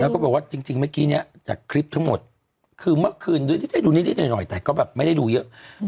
แล้วก็บอกว่าจริงเมื่อกี้เนี่ยจากคลิปทั้งหมดคือเมื่อคืนด้วยที่ได้ดูนิดหน่อยแต่ก็แบบไม่ได้ดูเยอะ